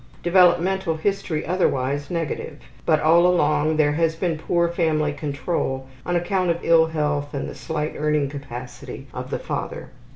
Developmental history otherwise negative, but all along there has been poor family control on account of ill health and the slight earning capacity of the father.